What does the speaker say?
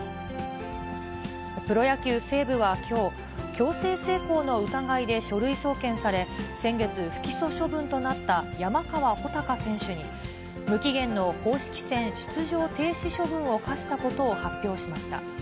プロ野球・西武はきょう、強制性交の疑いで書類送検され、先月、不起訴処分となった山川穂高選手に、無期限の公式戦出場停止処分を科したことを発表しました。